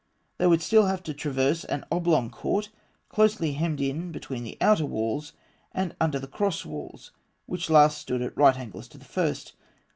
They would still have to traverse an oblong court (D), closely hemmed in between the outer walls and the cross walls, which last stood at right angles to the first.